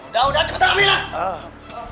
udah udah cepetan aminah